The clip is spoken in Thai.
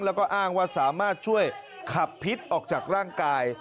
แล้วก็อ้างว่าสามารถช่วยขับพิษออกจากร่างกาย